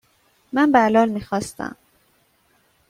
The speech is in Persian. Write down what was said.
من بلال میخواستم.